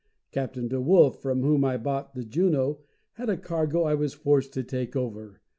Captain D'Wolf, from whom I bought the Juno, had a cargo I was forced to take over.